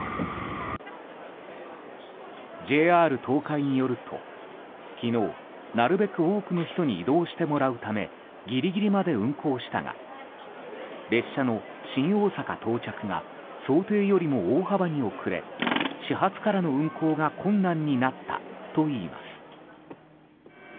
ＪＲ東海によると昨日、なるべく多くの人に移動してもらうためギリギリまで運行したが列車の新大阪到着が想定よりも大幅に遅れ始発からの運行が困難になったといいます。